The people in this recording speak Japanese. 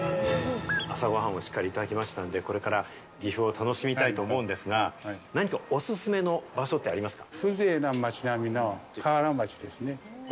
朝ご飯をしっかりいただきましたので、これから岐阜を楽しみたいと思うんですが何か、おすすめの場所ってありますか？